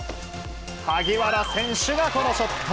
萩原選手がこのショット。